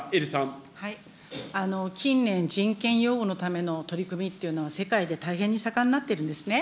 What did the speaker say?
近年、人権擁護のための取り組みっていうのは、世界で大変に盛んになってるんですね。